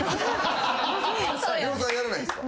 呂布さんやらないんすか？